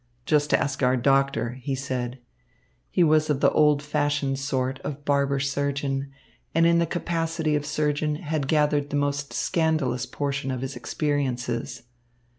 "Just ask our doctor," he said. He was of the old fashioned sort of barber surgeon, and in the capacity of surgeon had gathered the most scandalous portion of his experiences.